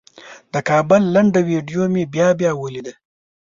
د کابل لنډه ویډیو مې بیا بیا ولیده.